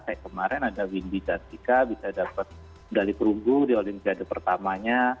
kayak kemarin ada windy dan zika bisa dapat medali kerunggu di olimpiade pertamanya